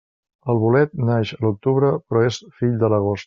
El bolet naix a l'octubre però és fill de l'agost.